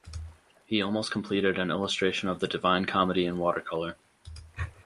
He almost completed an illustration of the "Divine Comedy" in watercolor.